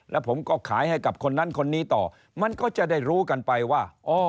แล้วผมก็ขายให้กับคนนั้นคนนี้ต่อมันก็จะได้รู้กันไปว่า